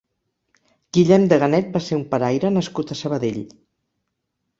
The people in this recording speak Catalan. Guillem Deganet va ser un paraire nascut a Sabadell.